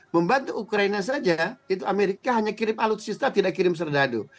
membantu ukraina saja itu amerika hanya kirim alutsista tidak kirim serdadu